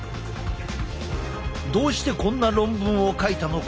どうしてこんな論文を書いたのか？